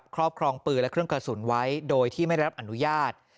ครอบครองปืนและเครื่องกระสุนไว้โดยที่ไม่ได้รับอนุญาต